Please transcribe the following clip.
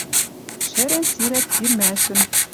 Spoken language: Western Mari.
Шӹрен сирӓт сирмӓшӹм.